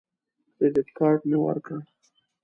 کریډټ کارت مې ورکړ.